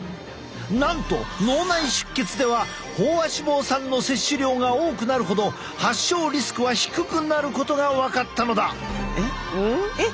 なんと脳内出血では飽和脂肪酸の摂取量が多くなるほど発症リスクは低くなることが分かったのだ。